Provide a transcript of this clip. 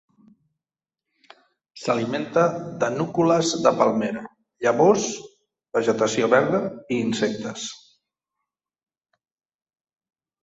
S'alimenta de núcules de palmera, llavors, vegetació verda i insectes.